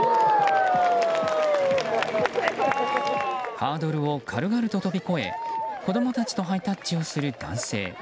ハードルを軽々と飛び越え子供たちとハイタッチする男性。